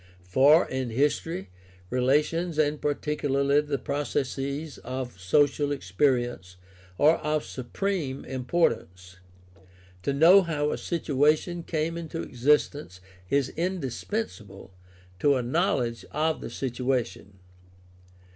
For, in history, relations and particularly the processes of social experience are of supreme importance. To know how a situa tion came into existence is indispensable to a knowledge of the situation.